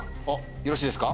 よろしいですか？